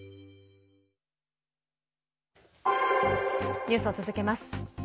ニュースを続けます。